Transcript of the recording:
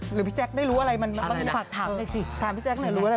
หรือพี่แจ๊คไม่รู้อะไรมันมันมันมีปากถามได้สิ